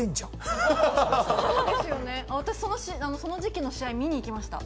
私その時期の試合見に行きました。